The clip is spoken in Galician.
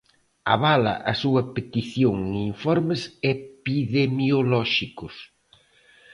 Avala a súa petición en informes epidemiolóxicos.